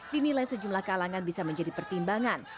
dinilai sejumlah kalangan bisa menjadi pertimbangan